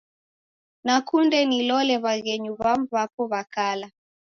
Nakunde nilole w'aghenyu w'amu w'apo w'a kala.